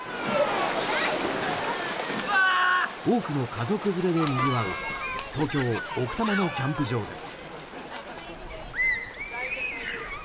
多くの家族連れでにぎわう東京・奥多摩のキャンプ場です。